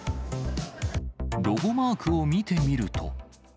ロゴマークを見てみると。